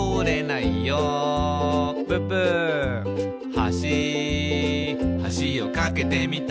「はしはしを架けてみた」